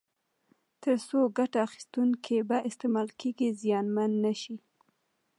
ترڅو ګټه اخیستونکي په استعمال کې زیانمن نه شي.